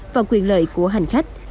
và quyền lợi của hành khách